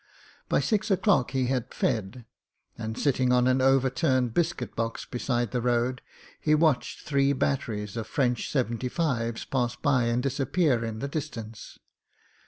By six o'clock he had fed, and sitting on an overturned bis cuit box beside the road he watched three batteries of French 75's pass by and disappear in the distance.